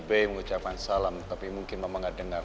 bay mengucapkan salam tapi mungkin mama gak dengar